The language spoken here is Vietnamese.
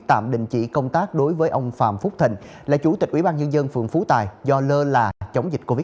tạm đình chỉ công tác đối với ông phạm phúc thịnh là chủ tịch ủy ban nhân dân phường phú tài do lơ là chống dịch covid một mươi chín